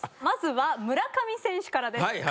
まずは村上選手からです。